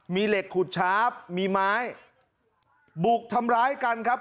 มีเหล็กขุดชาร์ฟมีไม้บุกทำร้ายกันครับ